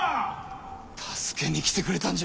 助けに来てくれたんじゃ！